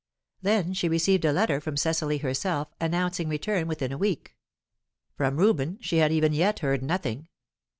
Then she received a letter from Cecily herself, announcing return within a week. From Reuben she had even yet heard nothing.